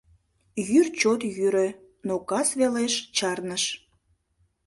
Йӱр чот йӱрӧ, но кас велеш чарныш.